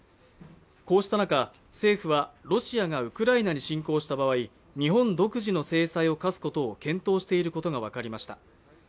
こうした中、政府はロシアがウクライナに侵攻した場合、日本独自の制裁を科すことを検討していることが分かりました。